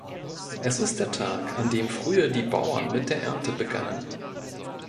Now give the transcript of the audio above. Es ist der Tag, an dem früher die Bauern mit der Ernte begannen.